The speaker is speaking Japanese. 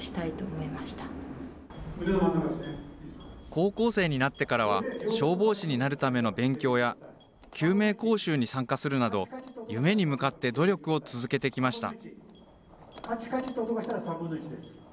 高校生になってからは、消防士になるための勉強や、救命講習に参加するなど、夢に向かって努力を続けてきました。